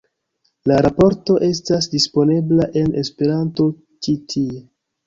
La raporto estas disponebla en Esperanto ĉi tie.